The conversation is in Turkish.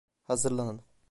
Hazırlanın.